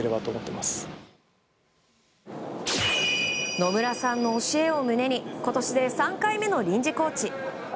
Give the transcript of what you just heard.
野村さんの教えを胸に今年で３回目の臨時コーチ。